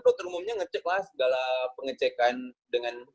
dokter umumnya ngecek lah segala pengecekan dengan